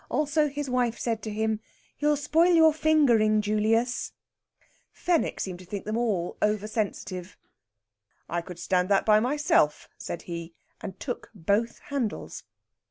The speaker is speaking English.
Also, his wife said to him, "You'll spoil your fingering, Julius." Fenwick seemed to think them all over sensitive. "I could stand that by myself," said he, and took both handles.